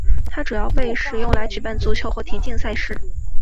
它主要被使用来举办足球和田径赛事。